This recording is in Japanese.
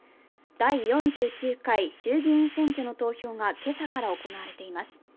第４９回衆議院選挙の投票が今朝から行われています。